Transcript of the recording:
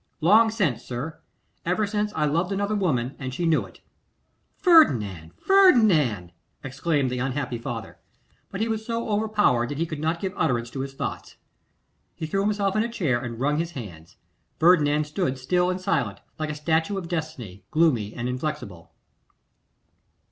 'Long since, sir; ever since I loved another woman, and she knew it.' 'Ferdinand! Ferdinand!' exclaimed the unhappy father; but he was so overpowered that he could not give utterance to his thoughts. He threw himself in a chair, and wrung his hands. Ferdinand stood still and silent, like a statue of Destiny, gloomy and inflexible.